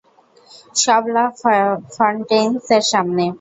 সব La Fontaines এর সামনে?